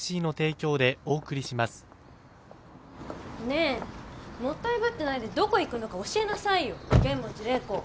ねえもったいぶってないでどこ行くのか教えなさいよ剣持麗子。